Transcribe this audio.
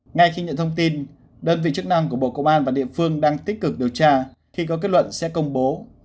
ngay khi nhận thông tin đơn vị chức năng của bộ công an và địa phương đang tích cực điều tra khi có kết luận sẽ công bố